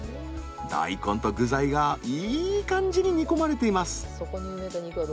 大根と具材がいい感じに煮込まれています。